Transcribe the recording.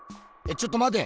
ちょっとまて。